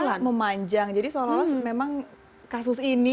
iya memanjang jadi seolah olah memang kasus ini